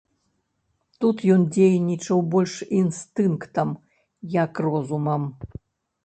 Тут ён дзейнічаў больш інстынктам, як розумам.